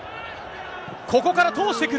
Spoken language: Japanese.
ここから通してくる。